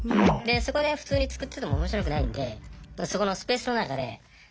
そこで普通に作っててもおもしろくないんでそこのスペースの中で。